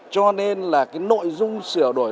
cho nên là cái nội dung sửa đổi